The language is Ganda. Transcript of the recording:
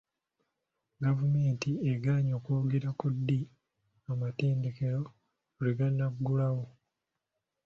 Gavumenti egaana okwogera ku ddi amatendekero lwe ganaggulawo.